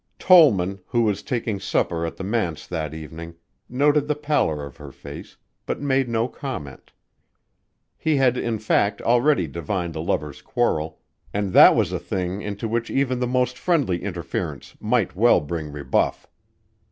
Tollman, who was taking supper at the manse that evening, noted the pallor of her face, but made no comment. He had, in fact, already divined a lover's quarrel and that was a thing into which even the most friendly interference might well bring rebuff.